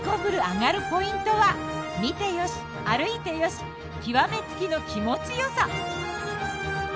アガるポイントは見てよし歩いてよし極め付きの気持ちよさ。